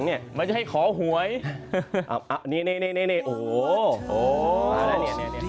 สวัสดีครับทุกคน